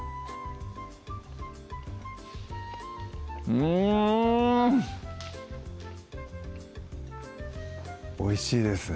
うんおいしいですね